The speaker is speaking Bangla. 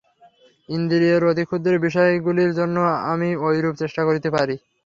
ইন্দ্রিয়ের অতি ক্ষুদ্র বিষয়গুলির জন্য আমি ঐরূপ চেষ্টা করিতে পারি।